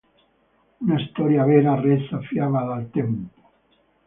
Una storia vera resa fiaba dal tempo".